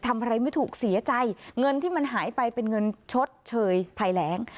ทำอะไรไม่ถูกเสียใจเงินที่มันหายไปเป็นเงินชดเชยภัยแรง